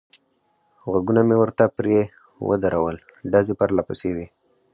غوږونه مې ورته پرې ودرول، ډزې پرله پسې وې.